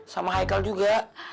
sama haikal juga